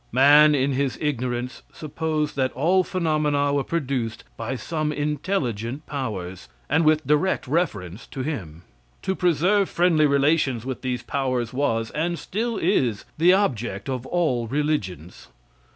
Man, in his ignorance, supposed that all phenomena were produced by some intelligent powers, and with direct reference to him. To preserve friendly relations with these powers was, and still is, the object of all religions.